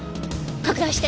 拡大して！